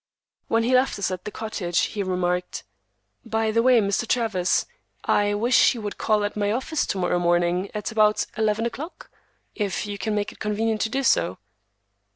When he left us at the cottage, he remarked,— "By the way, Mr. Travers, I wish you would call at my office to morrow morning at or about eleven o'clock, if you can make it convenient to do so."